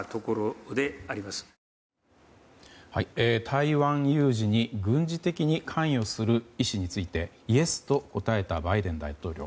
台湾有事に軍事的に関与する意思についてイエスと答えたバイデン大統領。